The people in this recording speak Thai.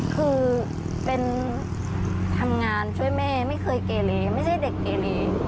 คือเป็นทำงานช่วยแม่ไม่เคยเกเลไม่ใช่เด็กเกเล